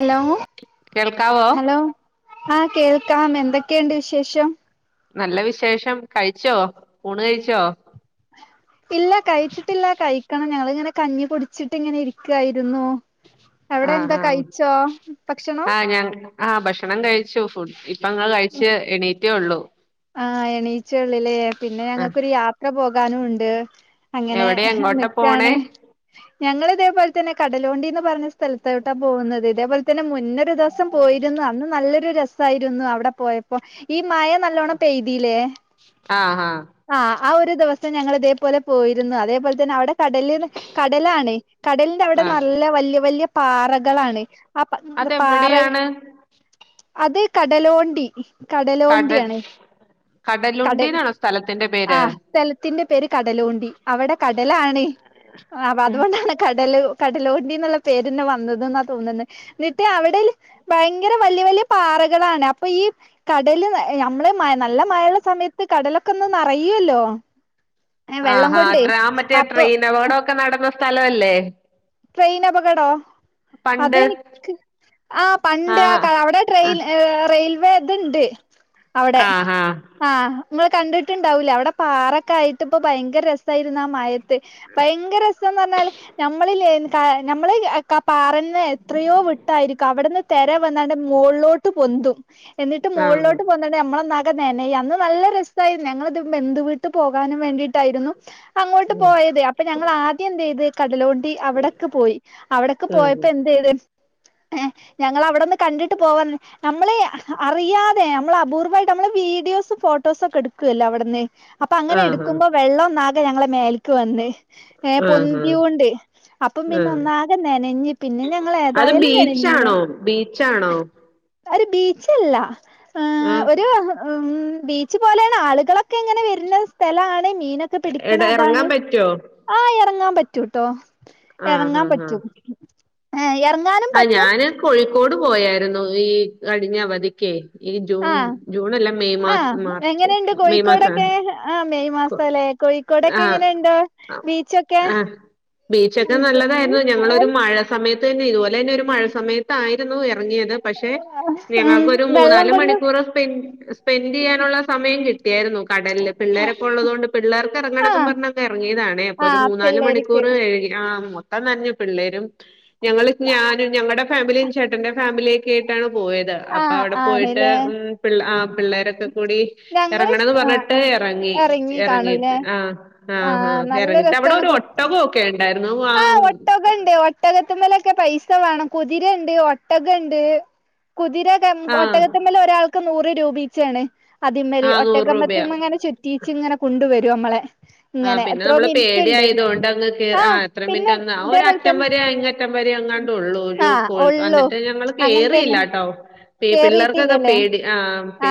Hello, കേൾക്കാവോ hello ആഹ് കേൾക്കാം എന്തൊക്കെയുണ്ട് വിശേഷം? നല്ല വിശേഷം കഴിച്ചോ ഊണ് കഴിച്ചോ? ഇല്ല കഴിച്ചിട്ടില്ല കഴിക്കണം ഞങ്ങളിങ്ങനെ കഞ്ഞി കുടിച്ചിട്ട് ഇങ്ങനെ ഇരിക്കായിരുന്നു. ആ അവിടെ എന്താ ആ കഴിച്ചോ ഭക്ഷണം? ആ ഞാൻ ആഹ് ഭക്ഷണം കഴിച്ചു ഫുഡ് ഇപ്പ ഞങ്ങള് കഴിച്ച് എണീറ്റേ ഉള്ളൂ. ആഹ് എണീച്ചേ ഇള്ളുലെ പിന്നെ ആ ഞങ്ങൾക്കൊരു യാത്ര പോകാനുണ്ട്. അങ്ങനെ എവിടെയാ എങ്ങോട്ടാ പോണേ നിക്കാണ് ഞങ്ങള് ഇതേപോലെ തന്നെ കടലുണ്ടീന്ന്‌ പറഞ്ഞ സ്ഥ സ്ഥലത്തോട്ടാ പോകുന്നത് ഇതേപോലെ തന്നെ മുന്നൊരു ദിവസം പോയിരുന്നു അന്ന് നല്ലൊരു രസ രസായിരുന്നു അവിടെ പോയപ്പോ ഈ മയ നല്ലോണം പെയ്തീലേ ആ ആ ആഹ്, ആ ഒരു ദിവസം ഞങ്ങൾ ഇതേപോലെ പോയിരുന്നു അതേപോലെ തന്നെ അവിടെ കടല്ന്ന് കടലാണ് കടലിന്റെ അവിടെ ആ നല്ല വല്യ വല്യ പാറകളാണ്. ആഹ് പാ പാറ അതെവിടെയാണ് അത് കടലോണ്ടി കടൽ കടലോണ്ടിയാണ്. കടലുണ്ടിന്നാണോ സ്ഥല ആ സ്ഥലത്തിന്റെ പേര് കടലൂണ്ടി അവിടെ കടലാണ്. ആഹ് അപ്പ അത് കൊണ്ടാണ് കടലു കടലോണ്ടിന്നുള്ള പേരെന്നെ വന്നത് ന്നാ തോനുന്നെ ഇന്നിട്ട് അവിടെല് ഭയങ്കര വല്യ വല്യ പാറകളാണ് അപ്പൊ ഈ കടല് ഏഹ് ഞമ്മള് മയ നല്ല മഴള്ള സമയത്ത് കടലൊക്കെ ഒന്നു നറയോല്ലോ. ആഹ് ആഹ് ട്രാ മറ്റേ അപ്പൊ ട്രെയിൻ അപകടോക്കെ നടന്ന സ്ഥലോല്ലേ. ട്രെയിൻ അപകടോ? അതെനിക്ക് ആഹ് പണ്ട് ആ ക അവിടെ ആ ട്രെയിൽ ഏഹ് റെയിൽവേ ഇത്ണ്ട് അവിടെ. ആ ആ ആഹ്, ഇങ്ങള് കണ്ടിട്ടുണ്ടാവൂല്ലാ അവിടെ പാറൊക്കെ ആയിട്ട് ഇപ്പ ഭയങ്കര രസായിരുന്നു ആ മഴയത് ത്ത് ഭയങ്കര രസോന്ന് പറഞ്ഞാല് ഞമ്മളിലെ ക ഞമ്മള് കപ് പാറന്ന് എത്രയോ വിട്ടായിരിക്കും അവിടുന്ന് തെര വന്നാണ്ട് മോളിലോട്ട് പൊന്തും എന്നിട്ട് ആ മോളിലോട്ട് പൊന്ത് ഇന്നിട്ട് നമ്മള് ഒന്നാകെ നനയും അന്ന് നല്ല രസായിരുന്നു ഞങ്ങളിത് ബന്ധു വീട്ട് പോകാനും വേണ്ടിട്ടായിരുന്നു. അങ്ങോട്ട് ഉം പോയത് അപ്പൊ ഞങ്ങൾ ആദ്യം എന്ത് ചെയ്ത് കടലോണ്ടി അപ് ക്ക് പോയി അവിടക്ക് പോയപ്പോ ഉം എന്ത് ചെയ്ത് ഏഹ് ഞങ്ങളവിടെന്ന് കണ്ടിട്ട് പോവാന്ന് നമ്മള് അറിയാതെ നമ്മൾ അപൂർവ്വയിട്ട് നമ്മള് വീഡിയോസും ഫോട്ടോസൊക്കെ എടുക്കുവല്ലോ അവിടുന്ന് അപ്പൊ അങ്ങനെ ആ ആ എടുക്കുമ്പോ വെള്ളം ഒന്നാകെ ഞങ്ങളെ മേൽക്ക് വന്ന് ഏഹ് ആ പൊന്തിയൊണ്ട് അപ്പം ആ പിന്നെ ആ ഒന്നാകെ നനഞ്ഞ് പിന്നെ ഞങ് ള് അത് ഏതായാലും നനഞ്ഞില്ലേ. ബീച്ചാണോ ബീച്ചാണോ ഒരു ബീച്ചല്ല ആഹ് ഒരു. ഉം, ബീച്ച് പോലെണ് ആളുകളൊക്കെ ഇങ്ങനെ വരുന്ന സ്ഥലാണ് മീനൊ എട പിടിക്കണ എറങ്ങാൻ അതാണ് പറ്റോ ആ എറങ്ങാൻ പറ്റൂട്ടോ. ആഹ് എറങ്ങാൻ ആഹ് ആഹ് പറ്റും ഏഹ് എറങ്ങാനും ആഹ് പറ്റും. ഞാന് കോഴിക്കോട് പോയായിരുന്നു ഈ കഴിഞ്ഞ അവധിക്കെ ആഹ് ആ മാർച്ച് എങ്ങനെണ്ട് ഏപ്രിൽ മെയ് മാസം കോഴിക്കോടൊക്കെ ആ മെയ് മാസ കോഴിക്കോടൊക്കെ എങ്ങനെുണ്ട ആഹ് ബീച്ചൊക്കെ ആഹ് ബീച്ചൊക്കെ നല്ലതായിരുന്നു ഞങ്ങളൊരു മഴ സമയത്ത് തന്നെ ഇതുപോലെന്നെ ഒരു മഴ സമയത്ത് തായിരുന്നു ഇറങ്ങിയത് പക്ഷെ ഉം ഞങ്ങൾക്കൊരു വെള്ളം മൂന്നാല് കൊണ്ട് മണിക്കൂറ് സ്പെൻ സ്പെൻഡ് ചെയ്യാനുള്ള സമയം കിട്ടിയായിരുന്നു കടലില് പിള്ളേരൊക്കെ ഉള്ളത് കൊണ്ട് പിള്ളേർക് ആഹ് ഇറങ്ങണംമെന്നും പറഞ്ഇറങ്ങിയതണേ അപ്പൊ ഒരു ആഹ് മൂന്നാല് പിള്ളേർക്ക് മണിക്കൂർ ഏഴാ ആ മൊത്തം തനഞ് പിള്ളേരും ഞങ്ങള് ഞാനും ഞങ്ങടെ ഫാമിലിയ ചേട്ടന്റെ ഫാമിലിയ ഒക്കെ ആയിട്ടാണ് പോയത് അപ്പൊ ആഹ് അവിടെ പോയിട്ട് ആണ്ല്ലേ ഉം പിള്ള പിള്ളേരൊക്കെ കൂടി ഞങ്ങള് ഇറങ്ങണന്ന് ആഹ് പറഞ്ഞിട്ട് ആഹ് ഇറങ്ങി എറങ്ങി കാണൂലേ ഇറങ്ങീട്ട് ആഹ് ആഹ് ഹാ നല്ല ഇറങ്ങിട്ട് അവിടെ രസാണ് ഒരു കു ഒട്ടകൊക്കെ ഉണ്ടായിരുന്നു വാ ആഹ് ഒട്ടകത്ത്മ്മലൊക്കെ പൈസ വേണം കുതിരണ്ട് ഒട്ടകണ്ട് കുതിര ആ ഒട്ടകത്തമ്മലോരാൾക്ക് നൂറ് രൂപീച്ച ആണ് അതിമ്മല് ആ നൂറ് രൂപയാ ഒട്ടകത്തമ്മേങ്ങനെ ചുറ്റ റ്റീച്ചിങ്ങനെ കൊണ്ട വരും നമ്മളെ ആ ഇങ്ങനെ പിന്നെ എത്രോ നമ്മള് പേടി മിനിറ്റ്ണ്ട് ആയത കൊണ്ട് അങ്ങ് കേറാ ആഹ് എത്ര പിന്നെ മിനിറ്റ്ന്ന് ഇതേപോലെ ഒരറ്റം തന്നെ വര അയങ്ക അറ്റം വരേ അങ്ങാണ്ടള്ളൂ ഒരു ആഹ് കോഴി ഒള്ളു എന്നിട്ട് ഞങ്ങൾ അങ്ങനെ തന്നെ കേറിയില്ല ട്ടോ പി പിള്ളേർക്കൊക്കെ കേറിയിട്ടില്ലല്ലേ പേടി ആ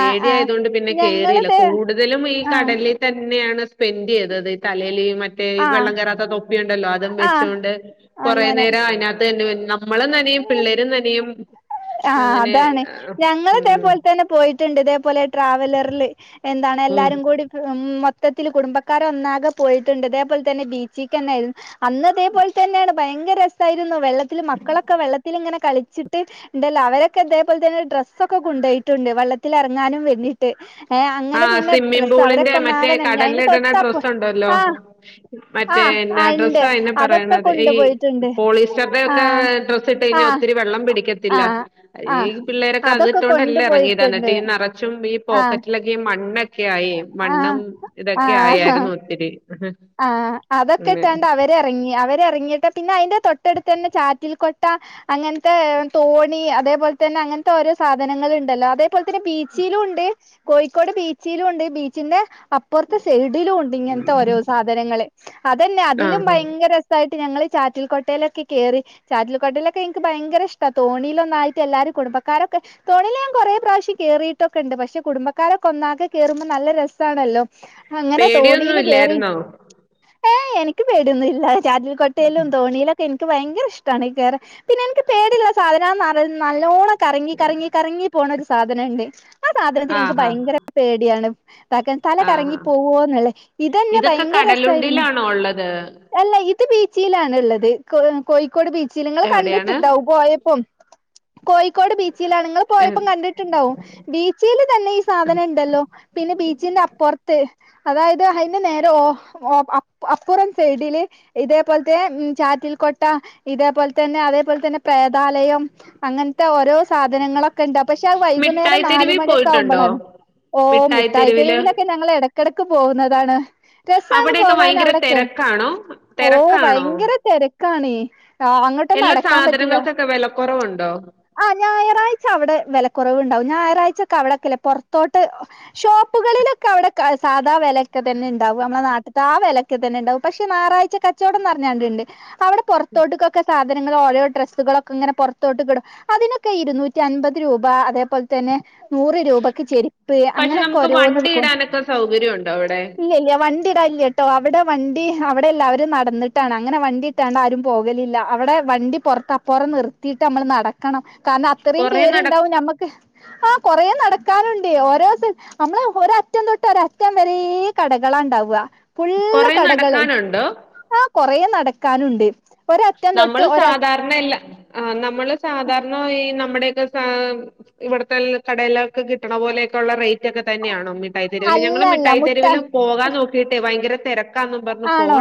ആഹ് ആഹ് ആയത കൊണ്ട് പിന്നെ കേറിയില്ല ഞങ്ങളിത് കൂടുതലും ഈ ആഹ് കടലിൽ തന്നെയാണ് സ്പെൻഡ് ചെയ്തത് തലൽ മറ്റേ ആഹ് വെള്ളം കേറത്തതോ പ്പിയു ണ്ടല്ലോ അതും ആഹ് വെച്ചൊണ്ട് കുറ അങ്ങനെ നേരം അതിനകത്തന്നെ നമ്മളും നനയും പിള്ളേരും നനയും ആഹ് അങ്ങനെ ഉം ത്ണ്ട് ഇതേപോലെ ട്രാവലറിൽ എന്താണ് ഉം എല്ലാരും കൂടി ഉം മൊത്ത മോത്തത്തിൽ കുടുംബക്കാരെ ഒന്നാകെ പോയിട്ടുണ്ട് തേപോലെ തന്നെ ബീച്ചിൽക്കന്നെ തന്നെയിയിരുന്നു അന്ന് അതേപോലെ തന്നെയാണ് ഭയങ്കര രസമായിരുന്നു വെള്ളത്തിൽ മക്കളൊക്കെ വെള്ളത്തിലിങ്ങനെ കളിച്ചിട്ട് ണ്ടല്ലോ അവരൊക്കെ ഇതേപോലെ തന്നെ ഡ്രസ്സൊക്കെ കൊണ്ടോയിട്ടുണ്ട് വള്ളതിലറങ്ങാനുംവരനി ആഹ് സ്വിമ്മിം പൂളിന്റെ അവരൊക്കെ മറ്റേ ഒന്നാകെ നനഞ്ഞ് അതിന്റെ കടലിടണ തൊട്ടപ്പ ഡ്രസ്സ് ഉണ്ടല്ലോ ആഹ് മറ്റോ ആഹ് ആഹ് ഡ്രസ്സ ഇണ്ട് നാ അയന്ന അതൊക്കെ പറയണത് ഈ കൊണ്ടുപോയിട്ടുണ്ട് പോളിസ്റ്റർടെ ഒക്കെ ആഹ് ഡ്രസ് ഡ്രസ്റ്റയ്ഞ്ഞ ആഹ് ഒത്തിരി വെള്ള പിടിക്ക തില്ല ആഹ് ഈ ആഹ് പിള്ളേരൊക്കെ അത് അതൊക്കെ കൊണ്ടു ഇട്ടൊണ്ടല്ല ഇറങ്ങിയെദ് എന്നിട്ട് പോയിട്ടുണ്ട് ഈ നിറച്ചും ഈ ആ പോക്കറ്റ് ല്ലെ മണ്ണൊക്കെ ആയി ആ മണ്ണും ഇതൊക്കെ ആ ആയയിരുന്നു ഒത്തിരി ആഹ് അതൊക്കെ അങ്ങനെ ഇട്ടാണ്ട് അവര് തെറങ്ങി അവ ഇറങ്ങി അവര്റങ്ങിയിട്ട് പിന്നെ അതിന്റെ തൊട്ടടുത്തന്നെ ചറ്റിൽ കൊട്ട അങ്ങനത്തെ തോണി അതേപോലെ തന്നെ അങ്ങനത്തെ ഓരോ സാധനങ്ങൾ ഉണ്ടല്ലോ അതേപോലെ തന്നെ ബീച്ചിലും ഉണ്ട് കോഴിക്കോട് ബീച്ചിലുംണ്ട് ബീച്ചിന്റെ ആഹ് അപ്പുറത്തെ സൈഡിലും ഉണ്ട് ഇങ്ങനത്തെ ഓരോ സാധനങ്ങള് അതന്നെ ആ അതിലും ആ ഭയങ്കര തായിട്ട് ഞങ്ങൾ ചാറ്റിൽകോട്ടയിലൊക്കെ കയറി ചാറ്റിൽക്കട്ടലൊക്കെ എനിക്ക് ഭയങ്കര ഇഷ്ട തോണിയിലൊന്നായിട്ട് എല്ലാരും കുടുംബാരൊക്കെ തോണിൽ ഞാൻ കുറെേ പ്രാവശ്യം കേറിയിട്ടൊക്കെണ്ട് പക്ഷെ കുടുംബക്കാരൊക്ക ഒന്നാകെ കേറുമ്പോ നല്ല രസാണല്ലോ അങ്ങനെ പേടിയൊന്നും തോണിയില് കേറി ഇല്ലായിരുന്നോ ഏഹ എനിക്ക് പേടുന്നില്ല ചാറ്റൽ കൊട്ടയിലും തോണിയിലുക് എനിക്ക് ഭയങ്കര ഇഷ്ടമാണ് ഈ കയറി പിന്നെ എനിക്ക് പേടില്ല സാധനാന്ന് നല്ല നല്ലോണം കറങ്ങി കറങ്ങി കറങ്ങി പോണ ഒരു സാധനംണ്ട് ആ സാധനത്തി ആ എനിക്ക് ഹാ ഭയങ്കര പേടിയാണ് ക്കാൻ തല ആ കറങ്ങി ഹാ പോകോന്നുള്ളേ ഇതനെ ഇതൊക്കെ കടലുണ്ടിലാണോ ഉള്ളത് അല്ല ഇത് ബീച്ചിലാണ് ഉള്ളത് കോഴിക്കോട് ബീച്ചിൽ നിങ്ങൾ എവിടെയാണ് കണ്ടിട്ടുണ്ടാവുംപോയ പ്പം കോഴിക്കോട് ബീച്ചിലാണ് നിങ്ങൾ ഏ, പോയപ്പോം കണ്ടിട്ട് ണ്ടാവും ബീച്ചില് തന്നെ ഈ സാധനം ഉണ്ടല്ലോ പിന്നെ ബീച്ചിന്റെ അപ്പുറത്ത് അതായത് അതിന് നേരെ ഓ ഓ അപ്പുറം സൈഡില് ഇതേപോലത്തെ മ് ചാറ്റിൽകൊട്ട ഇതേപോലെ തന്നെ അതേപോലെ തന്നെ പ്രേതാലയം അങ്ങനത്തെ ഓരോ സാധനങ്ങളൊക്കെ ഇണ്ട പക്ഷെ ആ വൈകുന്നേരം മിഠായി തെരുവിൽ നാലമണിയൊക്കെ പോയിട്ടുണ്ടോ? ആവുമ്പോഴണ് ഓ മിഠായി തെരുവില് മിഠായിത്തെെരുവിലൊക്കെ ഞങളെടക്ക് കെടക്ക്ടക്ക് പോകുന്നതാണ് രസാണ് അവിടെയൊക്കെ പോവാൻ ഭയങ്കര അവിടൊക്കെ തെരക്കാണോ? ഓഹ തെരക്കാണോ? ഭയങ്കര തിരക്കാണ ആഹ അങ്ങോട്ടൊന്നും എല്ലാ നടക്കാൻ പറ്റൂല സാധനങ്ങൾക്കൊക്കെ വെലക്കൊറവുണ്ടോ? ആഹ ഞായറാഴ്ച അവിടെ വിലക്കുറവ് ഉണ്ടാവും ഞായറാഴ്ചൊക്കെ അവിടെൊക്കെല്ല പൊറത്തോട്ട് ഷോപ്പുകളിലൊക്കെ അവിടെ സാധാ വിലൊക്കെ തന്നെ ഉ ഉണ്ടാവും നമ്മ നാട്ടത്തെ ആ വിലൊക്കെ തന്നെ ഉണ്ടാവും പക്ഷ ഞറാഴ്ച കച്ചവടംന്ന് പറഞ്ഞണ്ട്ണ്ട് അവിടെ പുറത്തോട്ട്ക്കൊക്കെ സാധനൾ ഓരോ ഡ്രസ്സുകളൊക്കെങ്ങെ പുറത്തോട്ട് ക ഇടും അതിനൊക്കെ ഇരുന്നൂറ്റി അൻപത് രൂപ അതേപോലെ തന്നെ നൂറ് രൂപയ്ക്ക് ചെരിപ്പ് അങ്ങനെയൊക്കെ ഓരോന്ന് വക്കും സൗകര്യണ്ടോ അവിടെ ഇല്ല ഇല്ല വണ്ടി ഇട ഇല്ല കേട്ടോ അവിടെ വണ്ടി അവിടെ എല്ലാവരും നടന്നിട്ടാണ് അങ്ങനെ വണ്ടി ആരും പോകലില്ല അവിടെ വണ്ടി പുറത്തപ്പറം നിർത്തിയിട്ട് നമ്മൾ നട ക്കണം കാരണം അത്രയും കൊറേ നട പേരുണ്ടാവും മ്മക്ക് ആഹ കൊറേ നടക്കാനുണ്ട് ഓരോത്ത നമ്മള് ഒരറ്റം തൊട്ട് ഒ അറ്റം വരെ കടകളാണ്ടാവുക പുള്ള കൊറേ കടകളെ നടക്കാനുണ്ടോ? ആഹ കൊറ നടക്കാനുണ്ട് ഒര് അറ്റം തൊട്ട് ഒര് [unintelligible] ഇല്ല ആഹ നമ്മള് സാധാരണ ഈ നമ്മുടെയൊക്കെ സ ഇവിടത്തെ കടലൊക്കെ കിട്ടണ പോലെയൊക്കെുള്ളള്ള റേറ്റ് മക്കെ തന്നെയണോ മിഠായിത്തെെരുവിൽ അല്ല ഞങ്ങൾ അല്ല മുട്ടാ മിഠായിത്തെെരുവിൽ പോകാ നോക്കിയിട്ട് ഭയങ്കര തിര ആണോ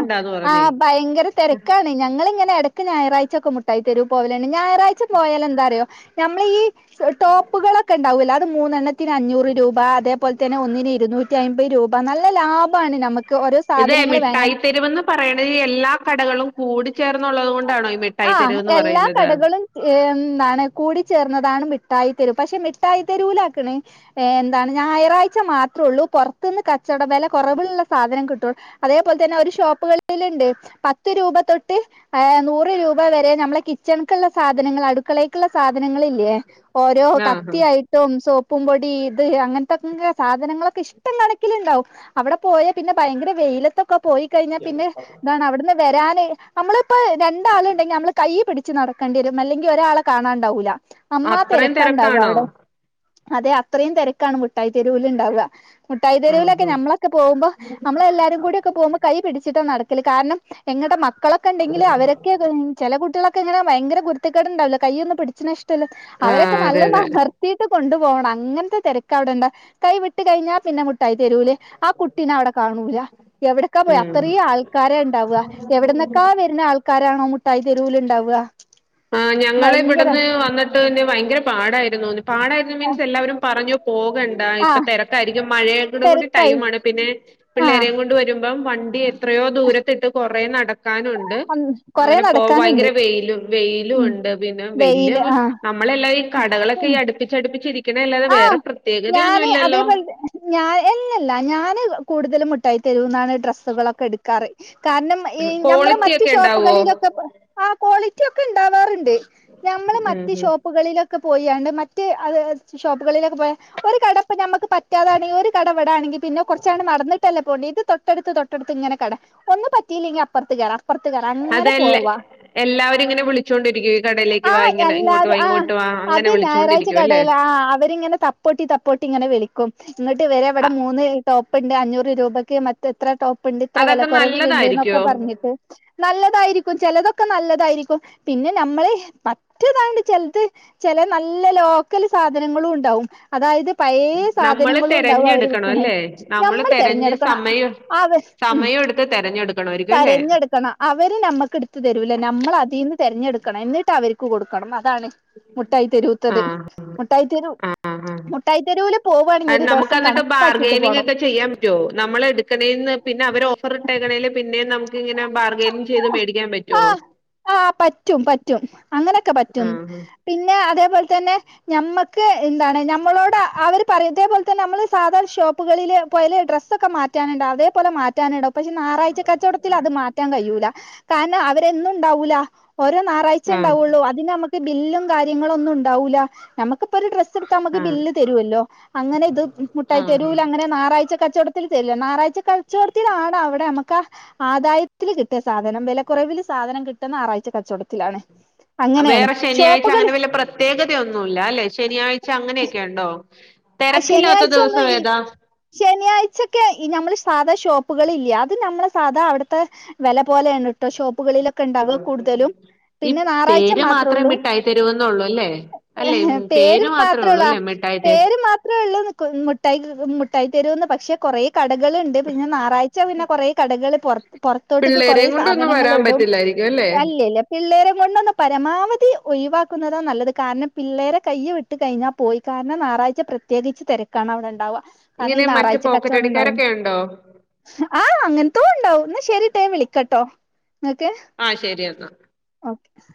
ആഹ ഭയങ്കര തിരക്കാണ് ഞളിങ്ങനെ ഇടക്ക് ഞായറാഴ്ച ഒക്കെ മുട്ടായി തരുൂ പോവലണ്ട് ഞായറാഴ്ച പോയാാല എന്താറിയോ നമ്മളീ ഈ ടോപ്പകളക്കെ ണ്ടാവില്ല അത് മൂന്നെണ്ണത്തിന് അഞ്ഞൂറ് രൂപ അതേപോലെ തന്നെ ഒന്നിന് ഇരുന്നൂറ്റി അമ്പത് രൂപ നല്ല ലാഭമാണ് നമുക്ക് ഓരോ സാധനങ്ങള [unintelligible] ത്തരുവന്ന് പറയണത് എല്ലാ കടകളും കൂടിച്ചേർന്നുള്ളത് കൊണ്ടാണോ [unintelligible] ആഹ എല്ലാ പറയുന്നത്? കടകളും ഏ എന്താണ് കൂടിച്ചേർന്നതാണ് മിഠായിത്തെരു പക്ഷെ മിഠായി തെരുലാക്കണ ഏഹ് എന്താണ് ഞായറാഴ്ച മാത്രേ ഉള്ളൂ പുറത്തു നിന്ന് കച്ചവട വില കുറവിലുള്ള സാധനം കിട്ടുള്ളൂ അതേപോലെ തന്നെ ഒരു ഷോപ്പുകളിലുണ്ട് പത്ത് രൂപ തൊട്ട് ആഹ നൂറ് രൂപ വരെ നമ്മളെ കിച്ചണക്കുള്ള സാധനങ്ങൾ അടുക്കളക്കുള്ള സാധനങ്ങില്ലേ ഓരോ ആഹാ കത്തിയയി [unintelligible] സോപ്പും പൊടി ഇത് അങ്ങനത്തെൊക്കെ സാധനങ്ങളൊക്കെ ഇഷ്ടം കണക്കിലുണ്ടാവും അവിടെ പോയാ പിന്നെ ഭയങ്കര വെയിയില- ഒക്കെ പോയി കഴിഞ്ഞാൽ പിന്നെ എന്താണ് അവിടുന്ന് വരാന് നമ്മളിപ്പോ രണ്ടാളും ഇണ്ടെങ്ക നമ്മള് കൈയ് പിടിച്ച് - ച്ച് നടക്കേണ്ടി വരും അല്ലെങ്കിൽ ഒരാളെ കാണാണ്ടാവൂല അത്രയും അമ്മാതിരക്കാണ്ടാവും തിരക്കാണോ? അവിടെ അതെ അത്രയും തെരക്കാണ് മുഠായി തെരുവിൽ ഇണ്ടാവുക മുട്ടായി തെരുവിലൊക്കെ ആഹാ ആഹ് നമ്മളൊക്കെ പോകുമ്പോൾ നമ്മളെല്ലാരും കൂടി- പോകുമ്പോൾ കൈ പിടിച്ചിട്ട് നടക്കല് കാരണം ഞങ്ങളുടെ മക്കളൊക്കെ- ഉണ്ടെങ്കില് അവരക്കെ ചെല കുട്ടികൊക്കെങ്ങനെ ഭയങ്കര- കുരുത്തക്കേട് ഉണ്ടാവില്ല കൈ ഒന്നും പിടിച്ചിന ഇഷ്ടല്ല ആ അവരൊക്ക അതെ നല്ല- അതെ കട്ടീട്ട് കൊണ്ടു പോണം അങ്ങനത്തെ തെരക്കാ അവിടെയുള്ളെ കൈ വിട്ട്- കഴിഞ്ഞാൽ പിന്നെ- ക്കായി തരൂലേ ആ കുട്ടിനെ അവിടെ കാണൂല എവിടക്കാ പോയി ഉം അത്രയും ആൾ- ആൾക്കാരെ ഉണ്ടാവുക എവിടന്നൊക്കെ വരുന്ന ആൾക്കാരാണോ മുട്ടായി തെരുവിൽ ഉണ്ടാവുക ആഹ് ഞങ്ങള് ഇവിടുന്ന് വന്നിട്ട് പിന്നെ ഭയങ്കര പാടായിരുന്നു പാടായി- മീൻസ് എല്ലാവരും പറഞ്ഞു പോകണ്ട ഇപ്പൊ ആഹ് തെരക്കായിരിക്കും മഴയയുടെ കൂടി തിരക്കായി ടൈംയാണ് പിന്നെ- ആഹ് പിള്ളേരെയും കൊണ്ട് വരുമ്പം വണ്ടി എത്രയോ ദൂരത്തിട്ട് കൊറേ നടക്കാനുണ്ട് കൊറേ അങ്ങനെ പോവാ നടക്കാനുണ്ട് ഭയങ്കര വെയിലും വെയിലും ഉം ഒണ്ട് പിന്നെ വെയില് നമ്മളെല്ലാം ഈ കടകളൊക്കെ ഈ അടുപ്പിച്ചടുപ്പിച്ചിരിക്ക- പിന്നെ അല്ലാതെ ആഹ് വേറെ പ്രത്യേകതയൊന്നും ഞാന് ഇല്ലല്ലോ അതേപോലെ ഞാൻ ഇല്ലയില്ല ഞാന് കൂടുതലും മുട്ടായി തെരുവിൽ നിന്നാണ് ഡ്രസ്സുകളൊക്കെ എടുക്കാറ് കാരണം- ഈ നമ്മള് ക്വാളിറ്റി മറ്റു ഒക്കെ ഉണ്ടാവോ ഷോപ്പുകളിലൊക്കെ - ക്വാളിറ്റി ഒക്കെ ഇണ്ടാവാറുണ്ട് ഞമ്മള് ഉം മറ്റ് ഉം ഷോപ്പുകളിലൊക്കെ പോയിണ്ട് മറ്റ അത്- ഷോപ്പുകളിലൊക്കെ പോയാ- ഒരു കട ഇപ്പ നമുക്ക് പറ്റാതാണങ്കിൽ ഒരു കട ഇവിടാണെങ്കിൽ പിന്നെ കൊറച്ച് അങ്ങോട്ട് നടന്നിട്ടല്ല പോവേണ്ടിയെ ഇത്- തൊട്ടടുത്ത് തൊട്ടടുത്ത് ഇങ്ങനെ കട ഒന്നും പറ്റിയില്ലെങ്കിൽ അപ്പുത്ത് കേറാം അപ്പുത്ത് കേറാം ഇങ്ങനെ പോവാ എല്ലാവും ഇങ്ങനെ വിളിച്ചുകോണ്ടിരിക്കും ഈ കടയിലേക്ക് ആ വാ ഇങ്ങനെ ഇങ്ങോട്ട് വാ ഇങ്ങോട്ട് വാ അങ്ങനെ ഒരു വിളിച്ചോണ്ടിരിക്കും അല്ലേ കടേല് ആ അവരിങ്ങനെ തപ്പു കൊട്ടി തപ്പുകൊട്ടി ഇങ്ങനെ വിളിക്കും ഇങ്ങോട്ട് ഇവരെ ഇവിടെ അ മൂന്ന് ടോപ്പുണ്ട് അഞ്ഞൂറ് രൂപയ്ക്ക് മ- എത്ര ടോപ്പ് ഇണ്ട് ഇത്ര വില അതൊക്കെ കൊറവുണ്ട് എന്നൊക്കെ നല്ലതായിരിക്കുവോ പറഞ്ഞിട്ട് നല്ലതായിരിക്കും ചെലതൊക്കെ നല്ലതായിരിക്കും പിന്നെ നമ്മള് മറ്റേതാണ്ട് ചെലത് ചെല നല്ല ലോ- ക്കാല് സാധനങ്ങളും ഉണ്ടാവും അതായത് പഴയ നമ്മള് സാധനങ്ങളും ഉണ്ടാവും അവര് തെരഞ്ഞെടുക്കണം വിൽക്കണ അല്ലേ നമ്മള് ഞമ്മള് തെരഞ്ഞ് തെരഞ്ഞെടുക്കണ സമയം അവ- ഉം സമയം എടുത്ത് തെരഞ്ഞെടുക്കണമായിരിക്കും അല്ലേ തെരഞ്ഞെടുക്കണം അവര് നമ്മുക്ക് എടുത്ത തരൂല നമ്മള് അതിന്ന്- തെരഞ്ഞെടുക്കണം എന്നിട്ട് അവർക്ക് കൊടുക്കണം അതാണ് മുട്ടായി തെരുവുത്തത് ആഹ് മുട്ടായിത്തെരു ആഹ് മുട്ടായിത്തെരുവിലും - നമുക്ക് എന്നിട്ട് ബാർഗെനിങ് ഒക്കെ ചെയ്യാം പറ്റുമോ നമ്മള് എടുക്കണെന്ന് പിന്നെ അവര് ഓഫർ ഇട്ടേക്കണെന് പിന്നെ നമുക്ക്‌ ഇങ്ങനെ ബാർഗെ- ആഹ് ആഹ് പറ്റും പറ്റും അങ്ങനൊക്കെ പറ്റും ആഹ് പിന്നെ അതേപോലെ തന്നെ ഞമ്മക്ക് എന്താണ് ഞമ്മളോട് അവര് പറയതേപോലെ തന്നെ നമ്മള് സാധാരണ ഷോപ്പുകളില് പോയാല് ഡ്രസ്- ഒക്കെ മാറ്റാനുണ്ട് അതേപോലെ മാറ്റാന് എടം - പക്ഷെ ഞായറാഴ്ച കച്ചവടത്തിൽ അത് മാറ്റാൻ കഴിയൂല കാരണം അവരന്നും ഉണ്ടാവൂല ഓരോ ഞയറാഴ്ച ആഹ് ഉണ്ടാവുള്ളൂ അതിന് നമുക്ക് ബില്ലും കാര്യങ്ങളും ഒന്നും ഉണ്ടാവൂല്ല നമുക്ക്- ഇപ്പൊ ഒരു ഡ്രസ്സ് എടുത്താ നമുക്ക് ആഹ് ബില്ല് തരുല്ലോ അങ്ങനെ ഇത് മുട്ടായി ആഹ് തരൂവില് അങ്ങനെ ഞയറാഴ്ച കച്ചവടം- അല്ല ഞായറാഴ്ച കച്ചോടത്തിലാണ് അവിടെ നമ്മക്ക് ആ - ആദായത്തിൽ കിട്ടിയ സാധനം വെല കുറവിൽ സാധനം കിട്ടുന്ന ഞായറാഴ്ച കച്ചവടത്തി- ത്തിലാണ് അങ്ങനെയാണ് ഷോപ്പുകള് ത്യേകതയൊന്നുമല്ല അല്ലെ ശനിയാഴ്ച അങ്ങനെയൊക്കെ ഉണ്ടോ തെരക്കില്ലാത്ത ശനിയാഴ്ച ഒന്ന് ദിവസം ഈ ഏതാ ശനിയാഴ്ചൊക്കെ ഞമ്മള് സാധാ ഷോപ്പുകൾ ഇല്യേ അത് ഞമ്മളെ സാധാ അവിടുത്തെ വെല പോലെയാണ് ട്ടോ ഷോപ്പുകളിലൊ ഈ പേര് മാത്രേ മിട്ടായി തെരുവെന്നൊള്ളൂ ല്ലേ അല്ലെ ഉം, പേര് മാത്രേള്ളൂ തെ പേര് മാത് ത്രേള്ളൂ മുട്ടായി മുട്ടായി തെരുവെന്ന് പക്ഷെ കുറേ കടകള്ണ്ട് പിന്നെ ഞാറാ ച്ച പിന്നെ കൊറേ കടകള് പൊറത് പൊറത്തോട്ട്ക്ക് കൊറേ പിള്ളേരെയും കൊണ്ടൊന്നും സാധനങ്ങൾ വരാൻ ഇടും പറ്റില്ലായിരിക്കും അല്ലേ അല്ലേല്ലേ പിള്ളേരെ കൊണ്ടൊന്ന് പരമാവധി ഒഴിവാക്കുന്നതാ നല്ലത് കാരണം പിള്ളേരെ കൈയ് വിട് ട്ടു കയിഞ്ഞാൽ പോയി കാരണം ഞായറാഴ്ച പ്രത്യേകിച്ച് തെരക്കാണ് അവിടെണ്ടാവുക കാരണം ഈ ഇങ്ങനെ മറ്റ് ഞാറാഴ്ച കച്ചവടം ഉണ്ടായോണ്ട് പോക്കറ്റടിക്കാരൊക്കെ ഉണ്ടോ ആഹ് അങ്ങനത്തോം ഉണ്ടാവും ഇന്നാ ശരീട്ടോ ഞാൻ വിളിക്കട്ടോ ങ്ങക്ക് ആ ശരി എന്നാ ഓക്കെ